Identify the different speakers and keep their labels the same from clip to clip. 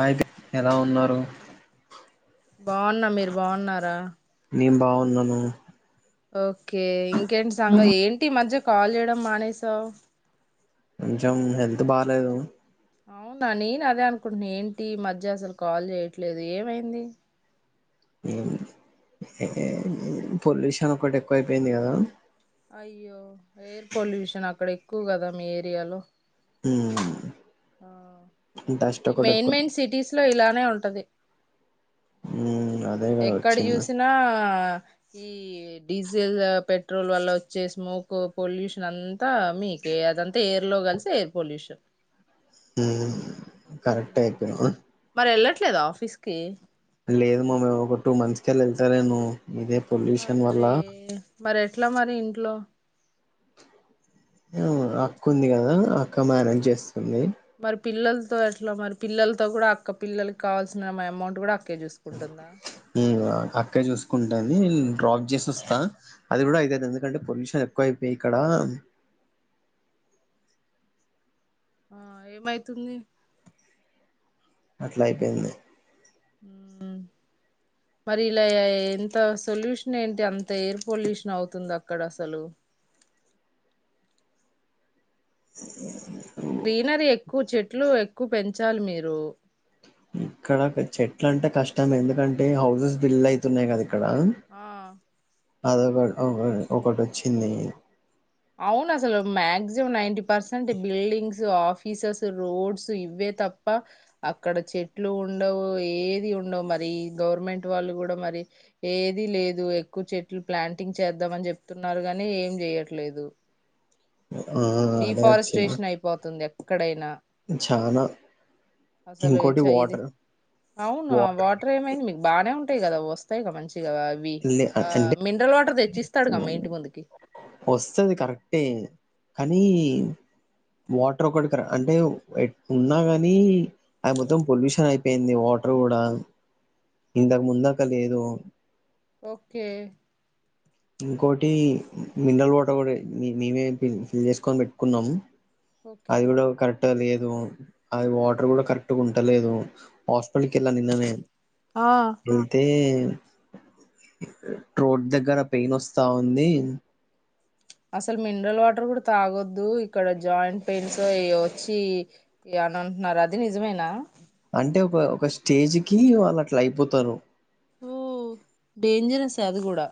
Speaker 1: అయితే ఎలా ఉన్నారు.
Speaker 2: బావున్న మీరు బావున్నారా
Speaker 1: నేను బాగున్నాను
Speaker 2: ఓకే ఇం కేంటి సంగ ఏంటి ఈ మధ్య కాల్ చేయడం మానేసావ్
Speaker 1: కొంచెం హెల్త్ బాలేదు
Speaker 2: అవునా నేను అదే అనుకుంటున్నా ఏంటి ఈ మధ్య అసలు కాల్ చేయట్లేదు ఏమైంది
Speaker 1: ఏం ఎ ఎ పొల్యూషన్ ఒకటి ఎక్కువయిపోయింది కదా
Speaker 2: అయ్యో ఎయిర్ పొల్యూషన్ అక్కడే క్కువ కదా మీ ఏరియాలో
Speaker 1: మ్మ్
Speaker 2: ఆ ఈ మెయిన్
Speaker 1: ఎక్కువ
Speaker 2: మెయిన్ సిటీస్ లో ఇలా నే ఉంటది
Speaker 1: మ్మ్
Speaker 2: ఎక్కడ చూసినా ఈ డీజిల్ పెట్రోల్ వల్ల వచ్చే స్మోక్ పొల్యూషన్ అం తా మీకే అదంతా ఎ లో కలిసి ఎయిర్ పోల్యూషన్
Speaker 1: హ్మ్ కరెక్టే చెప్పినావ్
Speaker 2: మరి వెళ్ళట్లేదా ఆఫీస్ కి
Speaker 1: లేదు మా ఒక టూ మంత్స్ కెళ్ళి వెళ్తలేను
Speaker 2: అర్రే మరి ఎట్లా మరి ఇ ట్లో
Speaker 1: మ్ అక్క ఉంది కదా అక్క మేనేజ్ చేస్ ది
Speaker 2: మరి పిల్లలతో ఎట్లా మరి పిల్లలతో కూడా అక్క పిల్లలకి కావాల్సిన అమౌంట్ కూడా అక్
Speaker 1: ఉమ్ అక్కే చూసుకుంట్ దాన్ని డ్రాప్ జేసొస్తా అది
Speaker 2: ఆ
Speaker 1: కూడా [unintelligible] ఎందుకంటే పొల్యూష్ ఎక్కువైపోయిక్కడ
Speaker 2: ఆ ఏమైతుంది
Speaker 1: అట్ల అయ్ పోయింది
Speaker 2: ఉమ్ మరి ఇలా ఎంత సొల్యూషన్ ఏంటి అంత ఎయిర్ పొల్యూషన్ అవుతుంది అక్కడ అసలు గ్రీనరీ ఎక్కువ చెట్ ట్లు ఎక్కువ పెంచాలి మీరు
Speaker 1: ఇక్కడ పె-చెట్లంటే కష్టం ఎందుకంటే హౌజెస్ బిల్డ్ అయితున్నాయి కద
Speaker 2: ఆ
Speaker 1: ఆధార్ కార్డ్ ఆ వే ఒకటొచ్చింది
Speaker 2: అవును అస్లు maximum ninety percent buildings offices roads ఇవే తప్ప అక్కడ చెట్లు ఉండవు ఏదీ ఉండవు మరి గవర్నమెంట్ వాళ్ళు కూడా మరి ఏదీ లేదు ఎక్కువ చెట్లు ప్లాంటింగ్ చేద్దాం అని చెప్తున్నారు కానీ ఏం చేయ ట్లేదు
Speaker 1: ఆ అదే వచ్చింది
Speaker 2: డీఫారెస్ట్రేషన్ అయిపోతుంది ఎక్కడైనా
Speaker 1: చానా
Speaker 2: అసలు ఈ
Speaker 1: ఇంకోటి
Speaker 2: చైది
Speaker 1: వాటర్
Speaker 2: అవును ఆ వాటర్ ఏమైంది మీకు బానే టాయి కదా అవి వస్తాయిగా మంచి టి గదా అవ్వి ఆ
Speaker 1: అంటే
Speaker 2: మినరల్ వాటర్ తెచ్చిస్తాడు గా మీ ఇంటి ముందుకి
Speaker 1: వస్తది కరెక్టే కానీ వాటర్ ఒకటికి అంటే ఉన్నా కానీ అవి మొత్తం పొల్యూషన్ ఐపోయింది వాటర్ గూడా ఇంతకు ముందాక లేదు
Speaker 2: ఓకే
Speaker 1: ఇంకోటి మినరల్ వాటర్ కూడా మేమే ఫిల్ చేసుకొని పెట్టుకున్నాము
Speaker 2: ఓకే
Speaker 1: అదికూడా కరెక్టే అది అది వాటర్ కూడా కరెక్ట్ గుంటలేదు హాస్ లోపల్ కెళ్లినా నిన్ననే
Speaker 2: ఆ
Speaker 1: వెళ్తే రోడ్ దగ్గర పెయిన్ వస్తా ఉంది
Speaker 2: అసలు మినరల్ వాటర్ కూడా తాగొద్దు ఇక్కడ జాయింట్ పెయిన్స్ అయి వచ్చి అని అంటున్నారు అది నిజమేనా
Speaker 1: అంటే ఒక ఒక స్టేజ్కీ వాళ్ళు అట్లా అయిపోతారు
Speaker 2: ఓ డేంజరస్ అది కూడా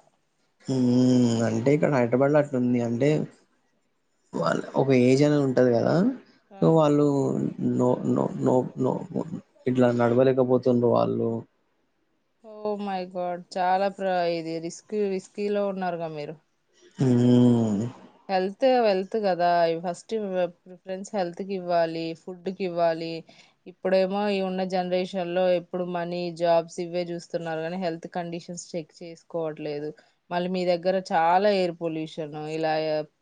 Speaker 1: హ్మ్ అంటే ఇక్కడ హైదరాబాద్లో అట్ల ఉంది అంటే వాళ ఒక ఏజ్ అనేది ఉంటది కదా తో వాళ్ళు నో నో నో నో ఇట్లా నడవలేకపోతుండ వాళ్ళు
Speaker 2: ఓ మైగాడ్ చాలా ప్ర ఇది రిస్కి రిస్కీ లో ఉన్నారుగా మీరు
Speaker 1: హ్మ్
Speaker 2: హెల్తే వెల్త్ కదా ఫస్ట్ ప్రిఫరెన్స్ హెల్త్ కి ఇవ్వాలి ఫుడ్ కి ఇవ్వాలి ఇప్పుడేమో ఈ ఉన్న జనరేషన్ లో ఎప్పుడు మనీ జాబ్స్ ఇవే చూస్తున్నారు కానీ హెల్త్ కండిషన్స్ చెక్ చేసుకోవట్లేదు మళ్ళీ మీ దగ్గర చాలా ఎయిర్ పొల్యూషన్ ఇలా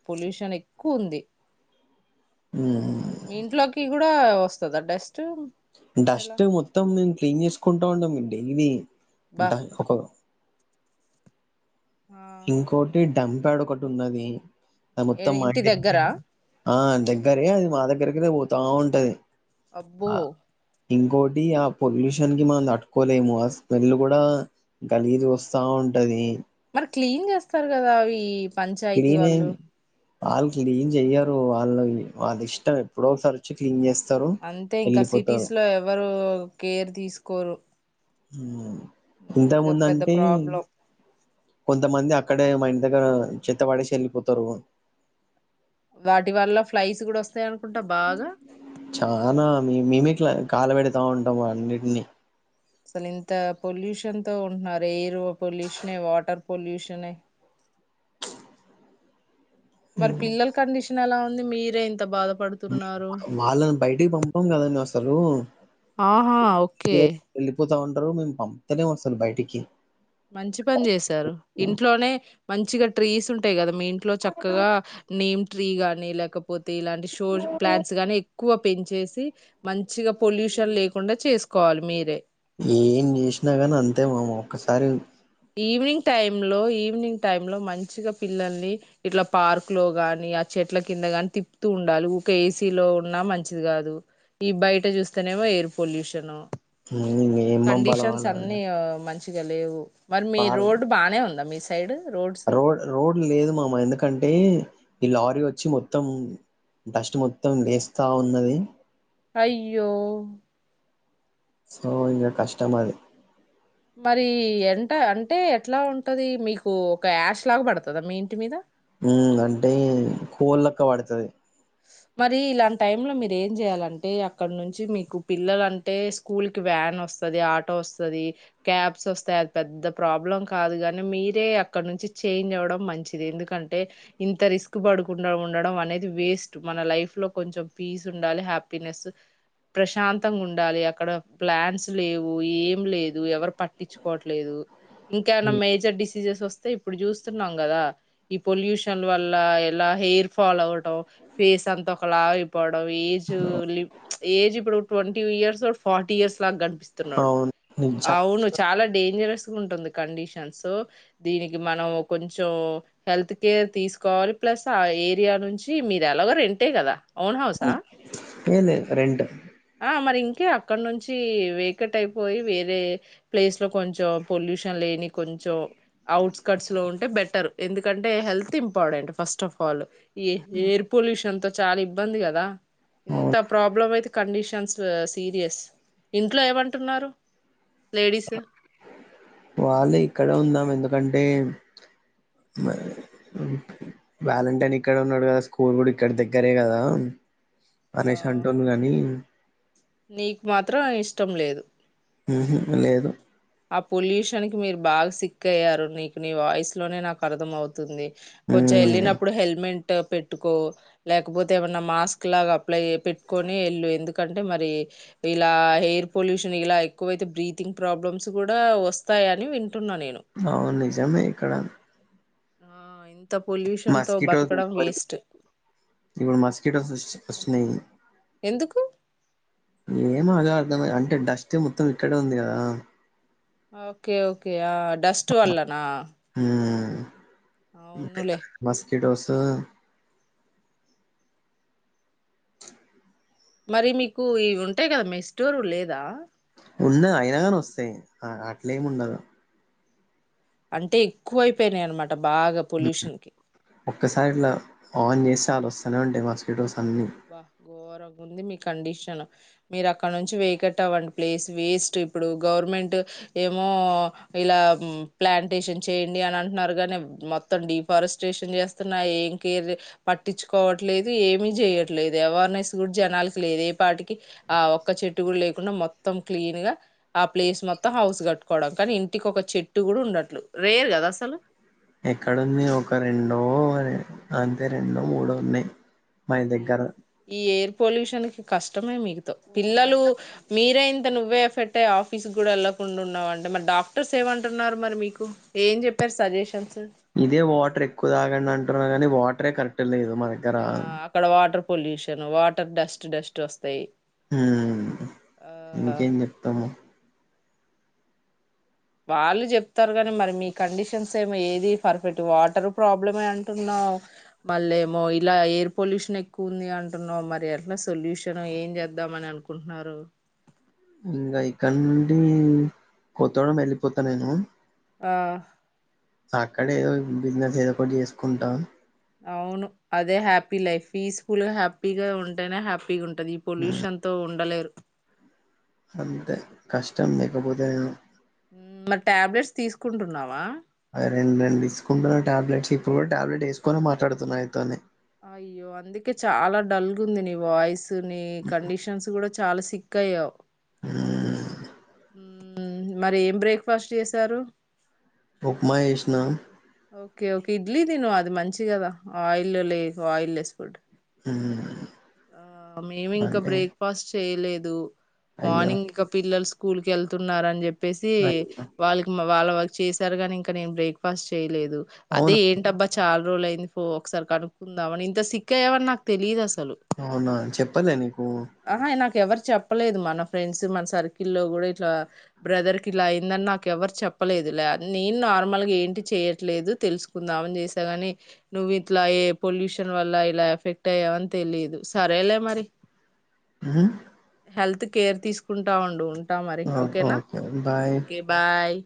Speaker 2: పొల్యూషన్ ఎక్కువ ఉంది
Speaker 1: హ్మ్.
Speaker 2: ఇంట్లోకి కూ డా వస్తదా డస్ట్ ఎలా
Speaker 1: డస్ట్ మొత్తం మేం క్లీన్ చేసుకుంట టోర్నమెంటా ఇది
Speaker 2: బా
Speaker 1: [unintelligible]
Speaker 2: ఆ
Speaker 1: ఇంకోటి డంప్డ ఒకటి ఉన్నది ఆ మొత్తం
Speaker 2: ఏ-
Speaker 1: మా
Speaker 2: ఇంటి దగ్గర
Speaker 1: ఆ దగ్గరే అది మా దగ్గరకినే పోతా ఉంటది
Speaker 2: అబ్బో
Speaker 1: ఇంకోొటి ఆ పొల్యూషన్ కి మనం తట్టుకోలేము ఆ స్మెల్ కూడా గలీజుగా వస్తా ఉంటది
Speaker 2: మరి క్లీన్ చేస్తారు కదా అవి పంచాయితీ వాళ్ళు
Speaker 1: ఆళ్ళు క్లీన్ జెయ్యరు వాళ్ళు వాల్లిష్టం ఎప్పుడో ఒకసారి వచ్చి క్లీన్ చేస్తారు
Speaker 2: అంతే ఇంకా
Speaker 1: వెళ్ళిపోతారు
Speaker 2: సిటీస్ లో ఎవరు కేర్ తీసుకోరు
Speaker 1: ఉ
Speaker 2: ఉమ్, ఇదొక పెద్ద
Speaker 1: ఇంతముందంటే
Speaker 2: ప్రాబ్లం
Speaker 1: కొంతమంది అ అక్కడే మా ఇన దగ్గర చెత్త పడేసి యెళ్ళిపోతారు
Speaker 2: వాటి వల్ల ఫ్లైస్ గూడా వస్తాయనుకుంటా బాగా
Speaker 1: చానా మేమే క్ల కాలబెడతా ఉంటాము అన్నింటిని
Speaker 2: అసలు ఇంత పొల్యూషన్ తో ఉంటున్నారు ఎయిర్ పొల్యూషనే వాటర్ పొల్యూషనే మరి పిల్లల కండిషన్ ఎలా ఉ ది మీరే యింత బాగా
Speaker 1: వాళ్ళని బయటికి పంపాం గదా వస్ అరు
Speaker 2: ఆహా ఓకే
Speaker 1: తా ఉంటరు మేము పంపుతలేము అసలు బయటికి
Speaker 2: మంచి పని జేశారు ఇంట్లోనే మంచిగా ట్రీస్ ఉంటాయి కదా మీ ఇంట్లో చక్కగా నీ ట్రీ గాని లేకపోతే ఇలాంటి షోజ్ ప్లాన్స్ గానీ ఎక్కువ పెంచేసి మంచిగ పొల్యూషన్ లేకుండా చేసుకోవాలి మీరే
Speaker 1: ఏం జేషినా గాని అంతే మామ ఒక్కసారి
Speaker 2: ఈవినింగ్ టైమ్ లో ఈవినింగ్ టైమ్ లో మంచిగా పిల్లల్ని ఇట్లా పార్క్ లో గాని ఆ చెట్ల కింద గాని తిప్పుతూ ఉండాలి ఊకె ఏసీలో ఉన్నా మంచిది గాదు ఈ బయట చూస్తేనేమో ఎయిర్ పొల్యూషను
Speaker 1: ఇ ఏం పంపలవళ
Speaker 2: చిగ లేవు మరి మీ రోడ్డు బానే ఉందా మీ టైడ్
Speaker 1: రోడ్ రోడు లేదు మామ ఎందుకంటే ఈ లారీ వచ్చి మొత్తం డస్ట్ మొత్తం లేస్తావున్నది
Speaker 2: అయ్యో...
Speaker 1: సో ఇంగ కష్టమది
Speaker 2: మరి ఎంట అంటే ఎట్లా ఉంటది మీకు ఒక యాష్ లాగ పడతదా మీ ఇంటి మీద
Speaker 1: ఉ అంటే కోల్లక్క పడతది
Speaker 2: మరి ఇలాంటి టైం లో మీరు ఏం జెయ్యాలంటే అక్కడ నుంచి మీకు పిల్లలు అంటే స్కూల్ కి వ్యాన్ వస్తది ఆటో వస్తది క్యాబ్స్ వస్తాయి అది పెద్ద ప్రాబ్లం కాదు కాని మీరే అక్కడ నుంచి చేంజ్ అవ్వడం మంచిది ఎందుకంటే ఇంత రిస్క్ పడకుండా ఉండడం అనేది వేస్ట్ మన లైఫ్ లో కొంచెం పీస్ ఉండాలి హ్యాపీనెస్ ప్రశాంతంగుండాలి అక్కడ ప్లాన్స్ లేవు ఏఏం లేదు ఎవరు పట్టించుకోవట్లేదు ఇంకానా మేజర్ డిసీజెస్ వస్తే ఇప్పుడు జూస్తున్నాం కదా ఈ పొల్యూషన్లు వల్ల ఎలా హెయిర్ ఫాల్ అవటం ఫేస్ అంత ఒకలాగ ఏజ్ ఏజ్ ఇప్పుడు ట్వంటీ ఇయర్స్ వోడు ఫార్టీ ఇయర్స్ లాగా కనిపిస్తున్నాడు
Speaker 1: అవును నిజ
Speaker 2: అవును చాలా డేంజరస్ కండిషన్స్ దీనికి మనం కొంచం హెల్త్ కేర్ తీకోవాలి ప్లస్ ఆ ఏరియా నుంచి మీ ఎలాగో రెంటే కదా
Speaker 1: ఏం లేదు రెంటు
Speaker 2: ఆ మరి ఇంకే అక్కడ నుంచి వేకట్ అయిపోయి వేరే ప్లేస్ లో అక్కడినుంచి వేకెట్ ఐపోయి వేరే ప్లేస్ లో కొంచెం పొల్యూషన్ లేని కొంచెం అవుట్స్కట్స్ లో ఉంటే బెటర్ ఎందుకంటే health important first of all ఏ ఏర్పు పుల్యూషన్ తో చాలా ఇబ్బంది కదా ఇంత
Speaker 1: అవును
Speaker 2: ప్రాబ్లమైతే కండిషన్స్ సీరియస్, ఇంట్లో ఏమంటున్నారు లేడీస్
Speaker 1: వాల్లె ఇక్కడ ఉందామ ఎందుకంటే వ్యాలంటైన్ ఇక్కడ ఉన్నడు కదా స్కూల్ కూడా ఇక్కడి దగ్గరే కదా
Speaker 2: ఆ,
Speaker 1: అనేశి అంటునుగానీ
Speaker 2: నీక్ మాత్రం ఇష్టం లేదు
Speaker 1: లేదు
Speaker 2: ఆ పొల్యూషన్ కి మీరు బాగా సిక్ అయ్యారు నీకు నీ వాయిస్ లోనే నాకు అర్థం అవుతుంది కొంచె
Speaker 1: ఉమ్
Speaker 2: వెళ్ళినప్పుడు హెల్మెట్ గ పెట్టుకో లేకపోతే ఏమన్నా మాస్క్ లా అప్లై పెట్కొని ఎల్లు ఎందుకు ఎ కంటే మరి ఇలా ఎయిర్ పొల్యూషన్ ఇలా ఎక్కువైతే బ్రీతింగ్ ప్రాబ్లమ్స్ కూడా వస్తాయని వింట
Speaker 1: అవును నిజమే ఇక్కడ
Speaker 2: ఆ ఇంత పొల్యూషన్ తో
Speaker 1: మాస్కటోస్
Speaker 2: బతకడం వేస్ట్
Speaker 1: ఇవడు మాస్కటోస్న్నా
Speaker 2: ఎందుకు
Speaker 1: ఏంగ అర్థం అంటే డస్ట్ మొత్తం ఇక్కడే ఉంది కదా
Speaker 2: ఓకే ఓకే ఆ డస్ట్ వళ్ళనా
Speaker 1: అ పె మ కె డోసు
Speaker 2: మరి మీకు ఇవి ఉంటాయి కదా మస్టోరు లేదా
Speaker 1: ఉంద అయినాగాని వస్తాయి అట్లే ఏమి ఉండదుా
Speaker 2: అంటే ఎక్కువ అయిపోయినాయి అనమాట బాగా పొల్యూషన్ కి
Speaker 1: ఒక్కసారి ఇలా ఆన్ చేసి చాలు వస్తా అంటే మా
Speaker 2: బహ గోర ఉంది మీ కండిషన్ మీరు అక్కడ నుంచి వేకట్టవడి ప్లేస్ వేస్ట్ ఇప్పుడు గవర్నమెంట్ ఏమో ఇలా ప్లాంటేషన్ చేయండి అని అంటున్నారు కాగానీ మొత్తం డిఫారెస్ట్రేషన్ చేస్తున్నా ఏం కేర్ పట్టించుకోవట్లేదు ఏమి చేయట్లేదు అవేర్నెస్ కూడా జనాలకి లేదు ఏ పాటికి ఆ ఒక్క చెట్టు కూడా లేకుండా మొ మొత్తం క్లీన్ గా ఆ ప్లేస్ మొత్తం హౌస్ కట్టుకోవడం కానీ ఇంటికి ఒక చెట్టు కూడా ఉండట్లు రేర్ కదా అసలు
Speaker 1: ఎక్కడుంది ఒక రెండో అంతే రెండో మూడో ఉన్నాయి మా దగ్గర
Speaker 2: ఈప్ ఈ ఏండ్ పొల్యూషన్కి కష్టమే మీకుతో పిల్లలు మీరే ఇంత నువ్వే ఎఫెట్టే ఆఫీస్కి కూడా వెళ్ళకుండా ఉన్నావుంటే మరి డాక్టర్స్ ఏమంటున్నారు మరి మీకు ఏం చెప్పారు సజెషన్స్
Speaker 1: ఇదే వాటర్ ఎక్కువ తాగండి అం కానీ వాటరే కరెక్ట్ గా లేదు మా దగ్గరా
Speaker 2: ఆ అక్కడ water pollution water dust dust వస్తాయి
Speaker 1: హ
Speaker 2: ఆ
Speaker 1: ఇంకేం చెప్తాము
Speaker 2: వాళ్ళు చెప్తారు కానీ మరి మీ కండిషన్స్ ఏమో ఏది పర్ఫెక్ట్ వాటర్ ప్రాబ్లం అంటున్నావు మళ్ళ ఏమో ఇలా ఎయిర్ పొల్యూషన్ ఎక్కువ ఉంది అంటున్నావు మరి ఎట్లా సొల్యూషన్ ఏం చేద్దామని అనుకుంటున్నారు
Speaker 1: ఇంక ఇక్కడ నుండి కొత్తోడం వెళ్ళిపోతా నేను
Speaker 2: ఆ
Speaker 1: అక్కడే ఏదో బిజినెస్ ఏదో ఒకటి చేసుకుంట
Speaker 2: అవును అదే హ్యాపీ లైఫ్ పీస్ఫుల్ గా హ్యాపీగా ఉంటేనే హ్యాప్ ఉంటది ఈ పొల్యూషన్ తో ఉండలేరు
Speaker 1: అంతే కష్టం లేకపోతే నేను
Speaker 2: ఊ మర్ టాబ్లెట్స్ తీసుకుంటున్నావా
Speaker 1: అ రెండ్ రెన్రెండు తీసుకున్న టాబ్లెట్స్ ఇప్పుడు కూడా టాబ్లెట్ ఎసుకొని మాట్లాడుతున్నా అయితోనే
Speaker 2: అయ్యో అందుకే చాలా డల్గు ఉంది నీ వాయిస్ తుని కండిషన్స్ కూడా చాలా సిక్క్కయ్యావ్
Speaker 1: ఊ
Speaker 2: ఊ మరి ఏం బ్రేక్ఫాస్ట్ చేసారు
Speaker 1: ఉప్మా ఎష్నా
Speaker 2: ఓకే ఓకే ఇడ్లీ తిను అది మంచి కదా ఆయిల్ లే ఆయిల్ లెస్ ఫుడ్
Speaker 1: ఊ
Speaker 2: ఆ మేమి ఇంకా బ్రేక్ఫాస్ట్ చేయలేద్ దు
Speaker 1: అయ్యో
Speaker 2: మార్నింగ్ ఇంకా పిల్లల్స్ స్కూల్ కి ఎళ్తున్నారని చెప్పి పేసి
Speaker 1: అయ్యో
Speaker 2: వాళ్కి మా వాళ వాళ్ చేశారు కాని ఇంకా నేను బ్రేక్ఫాస్ట్ చేయలేదు దు
Speaker 1: అవును
Speaker 2: అదే ఏంటబ్బా చాల్ రోల్ అయింది పో ఒకసారి కనుకుదమని ఇంత సిక్క్క అయవ్ అని నాకు తెలీయదు అసలు
Speaker 1: అవునా చెప్పలె నీకు
Speaker 2: ఆహా నాకు ఎవరు చెప్పలేదు మన ఫ్రెండ్స్ మన సర్కిల్లో గుడా ఇట్లా బ్రదర్కి ఇలా అయిందని, నాకు ఎవరు చెప్పలేదు, లే నేను నార్మల్గా ఏంటి చేయట్లేదు తెలుసుకుందామని చేసా, కానీ నువ్వు ఇట్లా ఏ పొల్యూషన్ వల్ల ఇలా ఎఫెక్ట్ అయ్యావని తెలిదు. సరేలే మరి
Speaker 1: హుహూ
Speaker 2: హెల్త్ కేర్ తీసుకుంటా ఉండు ఉంటాం మరి ఓకేనా
Speaker 1: ఓకే బాయ్
Speaker 2: ఓకే బాయ్